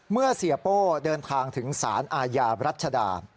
เมื่อเสียโป้เดินทางถึงสารอาญารัชดา